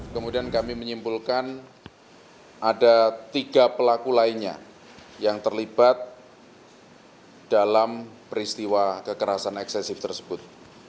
kemudian kami menyimpulkan ada tiga pelaku lainnya yang terlibat dalam peristiwa kekerasan eksesif tersebut